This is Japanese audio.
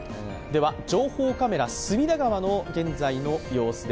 情報カメラ、隅田川の現在の様子です。